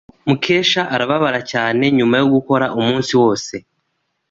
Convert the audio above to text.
Mukesha arababara cyane nyuma yo gukora umunsi wose.